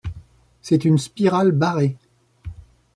C'est une spirale barrée.